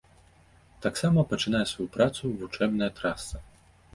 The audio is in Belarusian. Таксама пачынае сваю працу вучэбная траса.